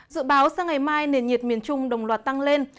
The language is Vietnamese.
dự báo sang ngày mai nền nhiệt miền trung đồng loạt tăng lên